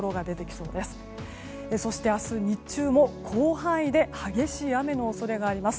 そして、明日日中も広範囲で激しい雨の恐れがあります。